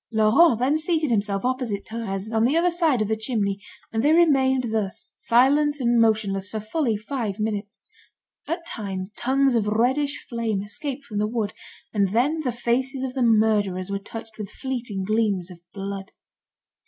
Laurent then seated himself opposite Thérèse, on the other side of the chimney, and they remained thus, silent and motionless, for fully five minutes. At times, tongues of reddish flame escaped from the wood, and then the faces of the murderers were touched with fleeting gleams of blood.